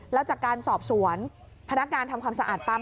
แล้วจากการสอบสวนพนักงานทำความสะอาดปั๊ม